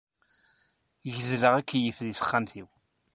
Gedleɣ akeyyef deg texxamt-iw.